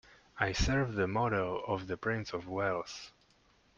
I serve the motto of the Prince of Wales.